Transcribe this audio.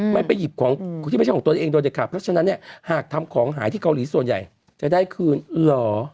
ไม่ไปหยิบของคนที่ไม่ใช่ของตัวเองโดยเด็ดขาดเพราะฉะนั้นเนี่ยหากทำของหายที่เกาหลีส่วนใหญ่จะได้คืนเหรอ